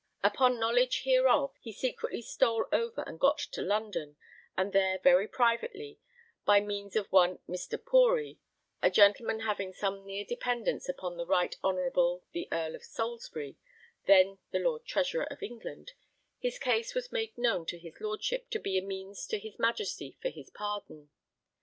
Upon knowledge hereof, he secretly stole over and got to London, and there very privately, by means of one Mr. Poory, a gentleman having some near dependence upon the right honourable the Earl of Salisbury, then the Lord Treasurer of England, his case was made known to his Lordship to be a means to his Majesty for his pardon.